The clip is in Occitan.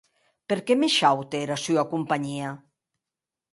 Perque me shaute era sua companhia?